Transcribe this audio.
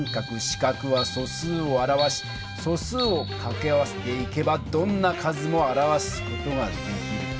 □は素数を表し素数をかけ合わせていけばどんな数も表す事ができる。